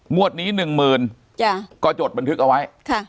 งวดนี้หนึ่งหมื่นก็จดบันทึกเอาไว้